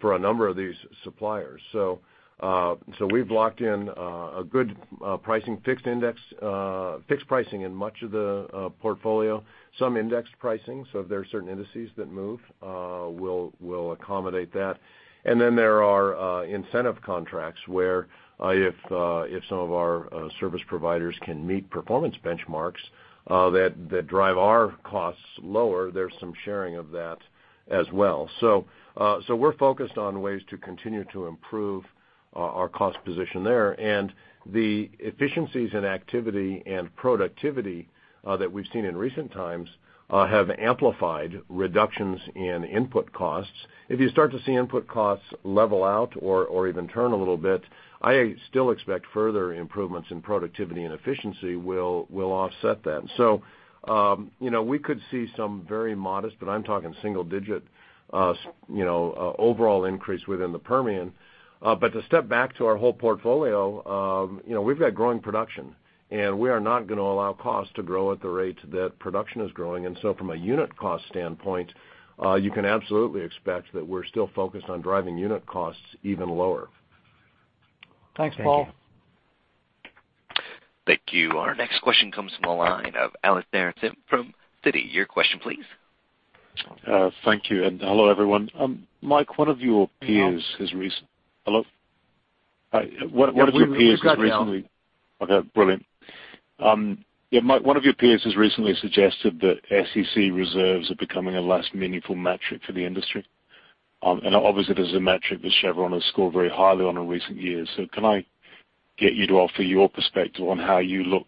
for a number of these suppliers. We've locked in a good pricing, fixed pricing in much of the portfolio. Some indexed pricing, so if there are certain indices that move, we'll accommodate that. Then there are incentive contracts where if some of our service providers can meet performance benchmarks that drive our costs lower, there's some sharing of that as well. We're focused on ways to continue to improve our cost position there. The efficiencies in activity and productivity that we've seen in recent times have amplified reductions in input costs. If you start to see input costs level out or even turn a little bit, I still expect further improvements in productivity and efficiency will offset that. We could see some very modest, but I'm talking single-digit overall increase within the Permian. To step back to our whole portfolio, we've got growing production, and we are not going to allow costs to grow at the rates that production is growing. From a unit cost standpoint, you can absolutely expect that we're still focused on driving unit costs even lower. Thanks, Paul. Thank you. Thank you. Our next question comes from the line of Alastair Syme from Citi. Your question, please. Thank you, and hello, everyone. Hello? We've got you. Okay, brilliant. Yeah, Mike, one of your peers has recently suggested that SEC reserves are becoming a less meaningful metric for the industry. Obviously, this is a metric that Chevron has scored very highly on in recent years. Can I get you to offer your perspective on how you look,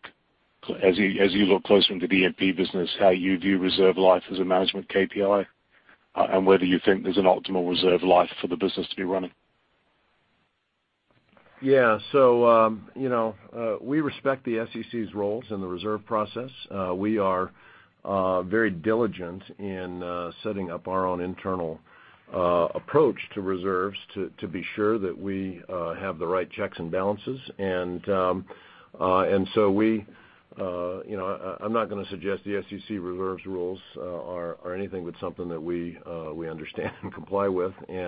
as you look closer into the E&P business, how you view reserve life as a management KPI? Whether you think there's an optimal reserve life for the business to be running. Yeah. We respect the SEC's roles in the reserve process. We are very diligent in setting up our own internal approach to reserves to be sure that we have the right checks and balances. I'm not going to suggest the SEC reserves rules are anything but something that we understand and comply with. They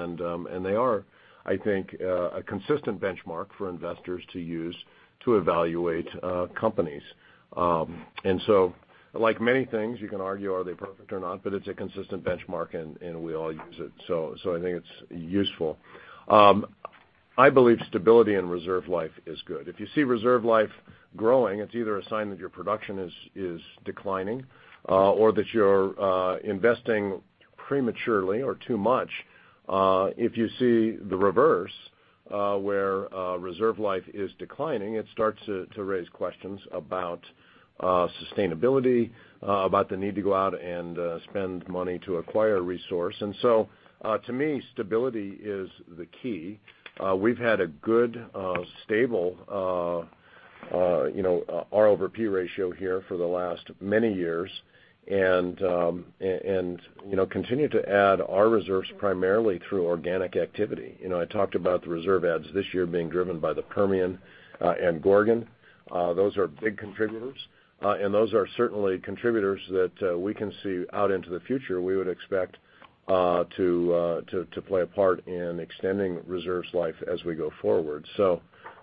are, I think, a consistent benchmark for investors to use to evaluate companies. Like many things, you can argue, are they perfect or not, but it's a consistent benchmark, and we all use it. I think it's useful. I believe stability in reserve life is good. If you see reserve life growing, it's either a sign that your production is declining or that you're investing prematurely or too much. If you see the reverse, where reserve life is declining, it starts to raise questions about sustainability, about the need to go out and spend money to acquire resource. To me, stability is the key. We've had a good, stable R over P ratio here for the last many years, and continue to add our reserves primarily through organic activity. I talked about the reserve adds this year being driven by the Permian and Gorgon. Those are big contributors. Those are certainly contributors that we can see out into the future we would expect to play a part in extending reserves life as we go forward.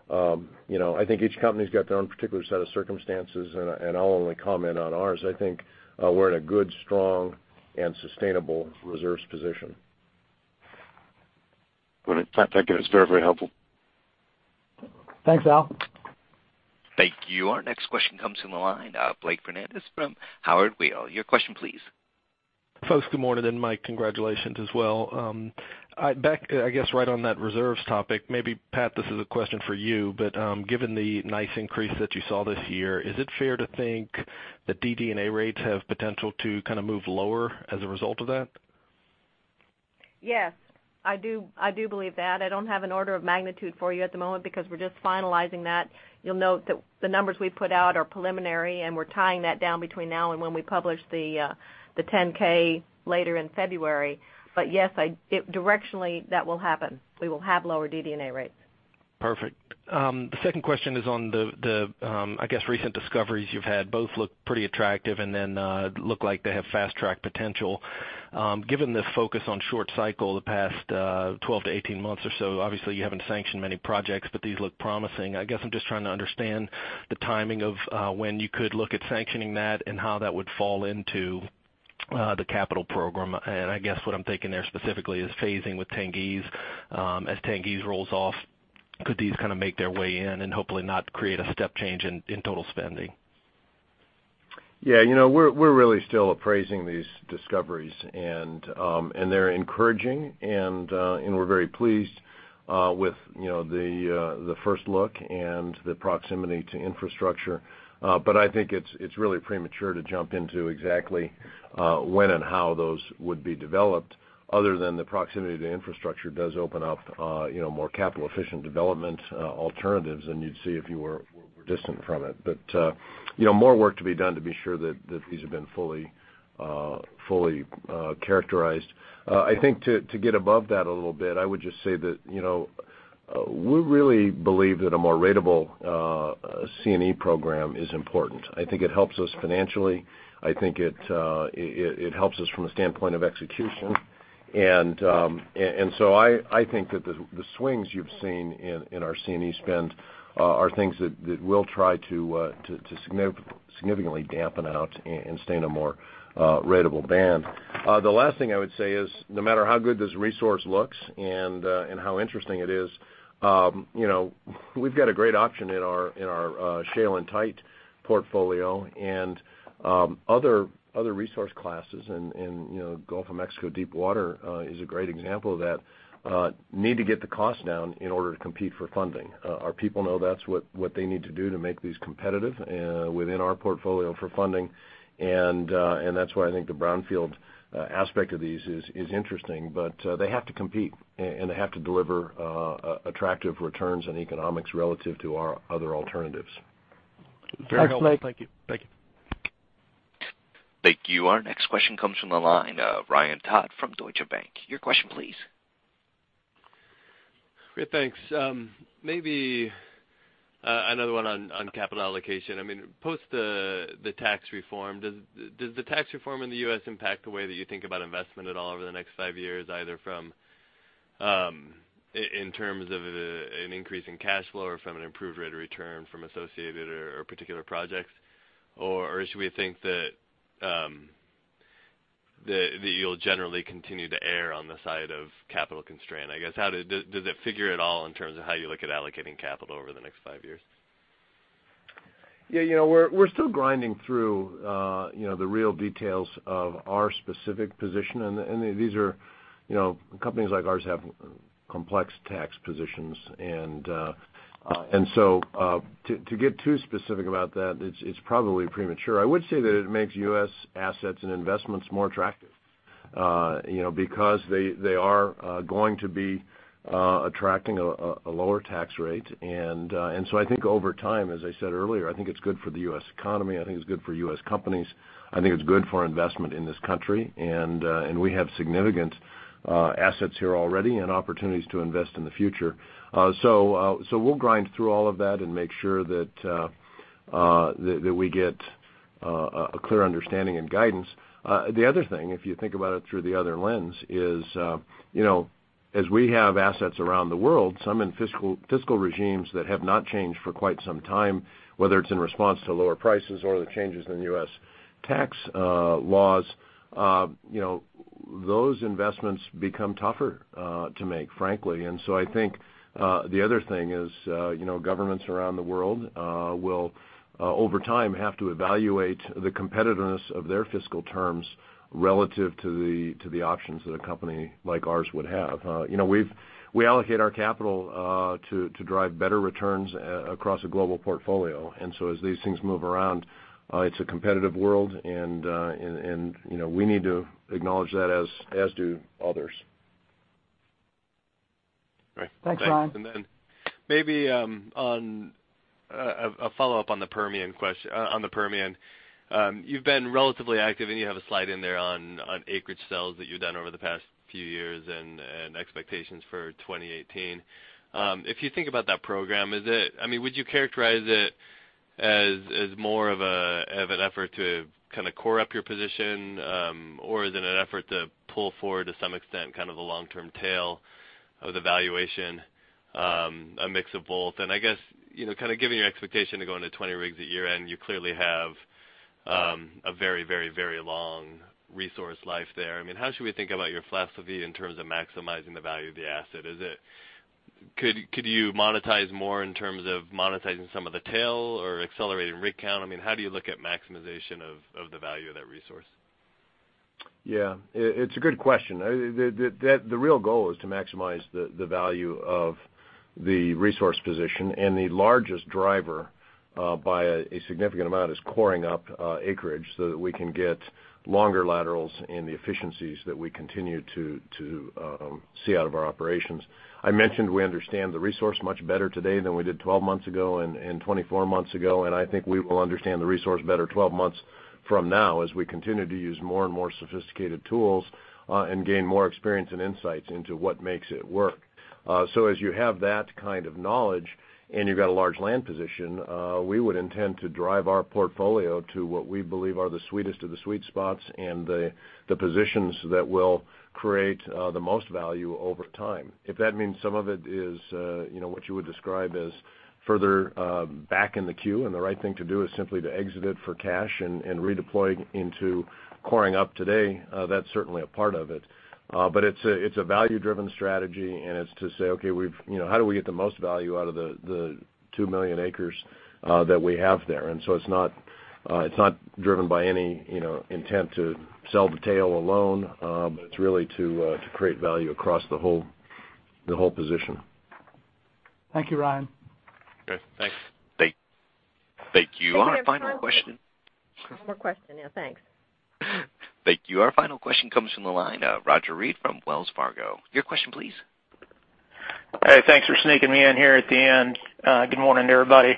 I think each company's got their own particular set of circumstances, and I'll only comment on ours. I think we're in a good, strong, and sustainable reserves position. Brilliant. Thank you. That's very helpful. Thanks, Al. Thank you. Our next question comes from the line of Blake Fernandez from Howard Weil. Your question, please. Folks, good morning, and Mike, congratulations as well. Back, I guess, right on that reserves topic, maybe Pat, this is a question for you. Given the nice increase that you saw this year, is it fair to think that DD&A rates have potential to kind of move lower as a result of that? Yes. I do believe that. I don't have an order of magnitude for you at the moment because we're just finalizing that. You'll note that the numbers we put out are preliminary, and we're tying that down between now and when we publish the 10-K later in February. Yes, directionally, that will happen. We will have lower DD&A rates. Perfect. The second question is on the, I guess, recent discoveries you've had. Both look pretty attractive and then look like they have fast-track potential. Given the focus on short cycle the past 12-18 months or so, obviously you haven't sanctioned many projects. These look promising. I guess I'm just trying to understand the timing of when you could look at sanctioning that and how that would fall into the capital program. I guess what I'm thinking there specifically is phasing with Tengiz. As Tengiz rolls off, could these kind of make their way in and hopefully not create a step change in total spending? We're really still appraising these discoveries, and they're encouraging, and we're very pleased with the first look and the proximity to infrastructure. I think it's really premature to jump into exactly when and how those would be developed, other than the proximity to infrastructure does open up more capital-efficient development alternatives than you'd see if you were distant from it. More work to be done to be sure that these have been fully characterized. I think to get above that a little bit, I would just say that we really believe that a more ratable C&E program is important. I think it helps us financially. I think it helps us from a standpoint of execution. I think that the swings you've seen in our C&E spend are things that we'll try to significantly dampen out and stay in a more ratable band. The last thing I would say is, no matter how good this resource looks and how interesting it is, we've got a great option in our shale and tight portfolio and other resource classes, and Gulf of Mexico Deep Water is a great example of that, need to get the cost down in order to compete for funding. Our people know that's what they need to do to make these competitive within our portfolio for funding, and that's why I think the brownfield aspect of these is interesting. They have to compete, and they have to deliver attractive returns and economics relative to our other alternatives. Very helpful. Thank you. Thank you. Our next question comes from the line of Ryan Todd from Deutsche Bank. Your question, please. Great. Thanks. Maybe another one on capital allocation. Post the tax reform, does the tax reform in the U.S. impact the way that you think about investment at all over the next five years, either in terms of an increase in cash flow or from an improved rate of return from associated or particular projects? Or should we think that you'll generally continue to err on the side of capital constraint? I guess, does it figure at all in terms of how you look at allocating capital over the next five years? Yeah. We're still grinding through the real details of our specific position. Companies like ours have complex tax positions. To get too specific about that, it's probably premature. I would say that it makes U.S. assets and investments more attractive because they are going to be attracting a lower tax rate. I think over time, as I said earlier, I think it's good for the U.S. economy. I think it's good for U.S. companies. I think it's good for investment in this country. We have significant assets here already and opportunities to invest in the future. We'll grind through all of that and make sure that we get a clear understanding and guidance. The other thing, if you think about it through the other lens, is as we have assets around the world, some in fiscal regimes that have not changed for quite some time, whether it's in response to lower prices or the changes in U.S. tax laws those investments become tougher to make, frankly. I think the other thing is governments around the world will, over time, have to evaluate the competitiveness of their fiscal terms relative to the options that a company like ours would have. We allocate our capital to drive better returns across a global portfolio. As these things move around, it's a competitive world and we need to acknowledge that, as do others. Right. Thanks, Ryan. Maybe a follow-up on the Permian. You've been relatively active, and you have a slide in there on acreage sales that you've done over the past few years and expectations for 2018. If you think about that program, would you characterize it as more of an effort to core up your position? Or is it an effort to pull forward, to some extent, the long-term tail of the valuation? A mix of both? I guess, given your expectation to go into 20 rigs at year-end, you clearly have a very long resource life there. How should we think about your philosophy in terms of maximizing the value of the asset? Could you monetize more in terms of monetizing some of the tail or accelerating rig count? How do you look at maximization of the value of that resource? Yeah. It's a good question. The real goal is to maximize the value of the resource position. The largest driver by a significant amount is coring up acreage so that we can get longer laterals and the efficiencies that we continue to see out of our operations. I mentioned we understand the resource much better today than we did 12 months ago and 24 months ago, I think we will understand the resource better 12 months from now as we continue to use more and more sophisticated tools and gain more experience and insights into what makes it work. As you have that kind of knowledge and you've got a large land position, we would intend to drive our portfolio to what we believe are the sweetest of the sweet spots and the positions that will create the most value over time. If that means some of it is what you would describe as further back in the queue and the right thing to do is simply to exit it for cash and redeploy into coring up today, that's certainly a part of it. It's a value-driven strategy, and it's to say, okay, how do we get the most value out of the 2 million acres that we have there? It's not driven by any intent to sell the tail alone. It's really to create value across the whole position. Thank you, Ryan. Great. Thanks. Thank you. One more question. Yeah, thanks. Thank you. Our final question comes from the line of Roger Read from Wells Fargo. Your question, please. Hey, thanks for sneaking me in here at the end. Good morning, everybody.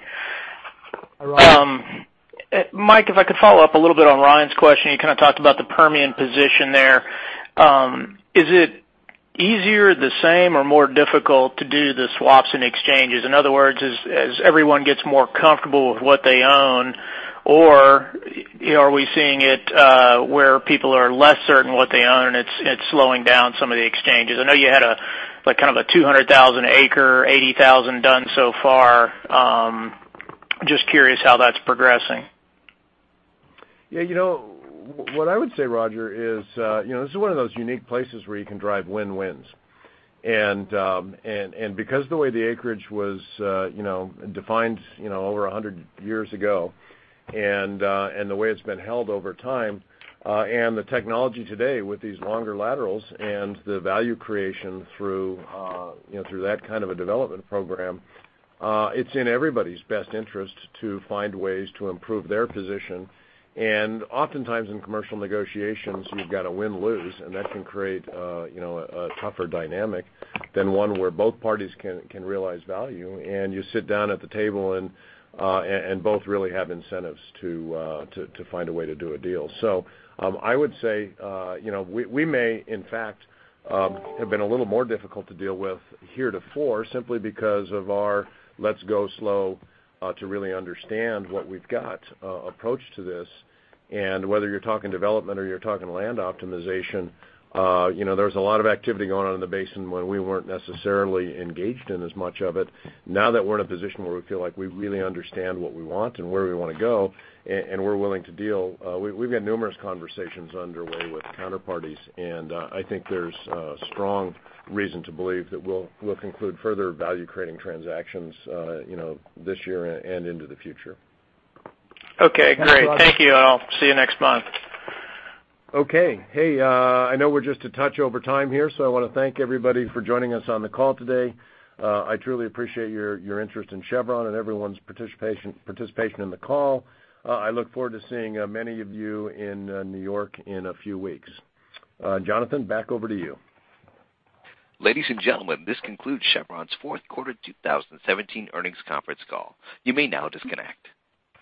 Mike Wirth, if I could follow up a little bit on Ryan Todd's question. You talked about the Permian position there. Is it easier, the same, or more difficult to do the swaps and exchanges? In other words, as everyone gets more comfortable with what they own or are we seeing it where people are less certain what they own, and it's slowing down some of the exchanges? I know you had a 200,000 acres, 80,000 done so far. Just curious how that's progressing. Yeah. What I would say, Roger Read, is this is one of those unique places where you can drive win-wins. Because the way the acreage was defined over 100 years ago and the way it's been held over time, and the technology today with these longer laterals and the value creation through that kind of a development program, it's in everybody's best interest to find ways to improve their position. Oftentimes in commercial negotiations, you've got a win-lose, and that can create a tougher dynamic than one where both parties can realize value, and you sit down at the table and both really have incentives to find a way to do a deal. I would say we may, in fact have been a little more difficult to deal with heretofore simply because of our let's go slow to really understand what we've got approach to this. Whether you're talking development or you're talking land optimization, there's a lot of activity going on in the basin when we weren't necessarily engaged in as much of it. Now that we're in a position where we feel like we really understand what we want and where we want to go and we're willing to deal, we've got numerous conversations underway with counterparties, and I think there's a strong reason to believe that we'll conclude further value-creating transactions this year and into the future. Okay, great. Thank you all. See you next month. Okay. Hey, I know we're just a touch over time here, so I want to thank everybody for joining us on the call today. I truly appreciate your interest in Chevron and everyone's participation in the call. I look forward to seeing many of you in New York in a few weeks. Jonathan, back over to you. Ladies and gentlemen, this concludes Chevron's fourth quarter 2017 earnings conference call. You may now disconnect.